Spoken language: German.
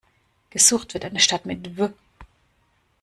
Gesucht wird eine Stadt mit W.